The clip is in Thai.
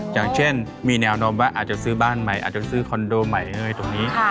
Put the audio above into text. อย่างเช่นมีแนวโน้มว่าอาจจะซื้อบ้านใหม่อาจจะซื้อคอนโดใหม่ตรงนี้